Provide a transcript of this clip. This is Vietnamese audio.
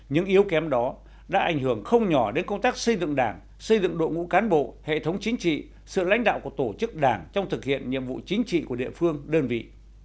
những yếu kém đó đã ảnh hưởng không nhỏ đến công tác xây dựng đảng xây dựng đội ngũ cán bộ hệ thống chính trị sự lãnh đạo của tổ chức đảng trong thực hiện nhiệm vụ chính trị của địa phương đơn vị